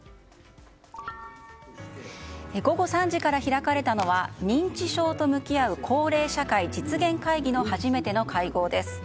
午後３時から開かれたのは認知症と向き合う幸齢社会実現会議の初めての会合です。